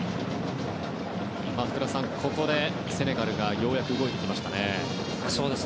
福田さん、ここでセネガルがようやく動いてきました。